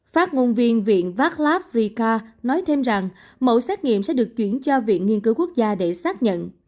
phát ngôn viên viện barlav rica nói thêm rằng mẫu xét nghiệm sẽ được chuyển cho viện nghiên cứu quốc gia để xác nhận